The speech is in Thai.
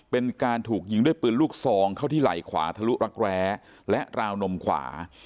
เป็นการถูกยิงด้วยปืนลูกซองเข้าที่ไหล่ขวาทะลุรักแร้และราวนมขวา